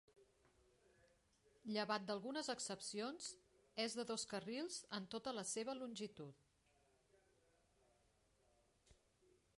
Llevat d'algunes excepcions, és de dos carrils en tota la seva longitud.